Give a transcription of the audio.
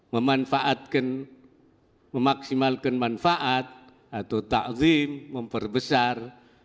memaksimalkan manfaat atau ta'zim memperbesar